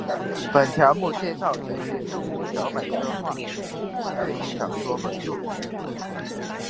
本条目介绍神奇树屋小百科各话及对应之小说本数。